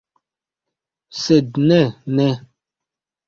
Sed ne, ne!